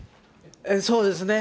そうですね。